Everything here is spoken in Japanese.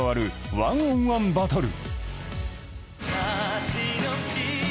１ｏｎ１バトル